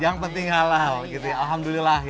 yang penting halal gitu ya alhamdulillah